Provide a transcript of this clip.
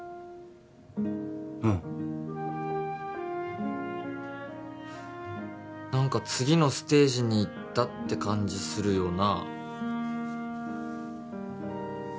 うん何か次のステージに行ったって感じするよな